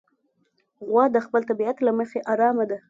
غوا د خپل طبیعت له مخې ارامه ده.